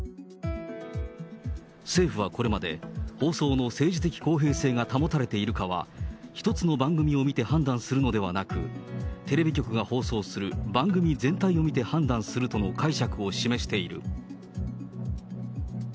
政府はこれまで放送の政治的公平性が保たれているかは、１つの番組を見て判断するのではなく、テレビ局が放送する番組全体を見て判断するとの解釈を示している。